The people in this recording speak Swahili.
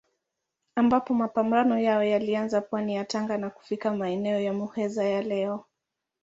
Ambapo mapambano yao yalianza pwani ya Tanga na kufika maeneo ya Muheza ya leo.